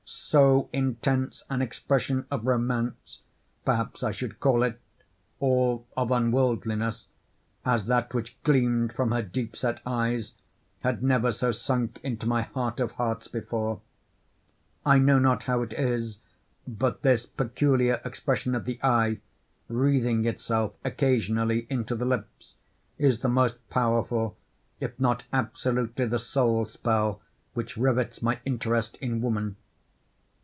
So intense an expression of romance, perhaps I should call it, or of unworldliness, as that which gleamed from her deep set eyes, had never so sunk into my heart of hearts before. I know not how it is, but this peculiar expression of the eye, wreathing itself occasionally into the lips, is the most powerful, if not absolutely the sole spell, which rivets my interest in woman.